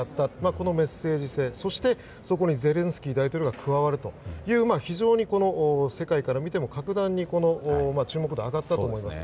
このメッセージ性やそこにゼレンスキー大統領が加わるという非常に世界から見ても格段に注目度が上がったと思います。